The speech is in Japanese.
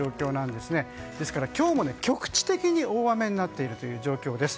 ですから今日も局地的に大雨になっている状況です。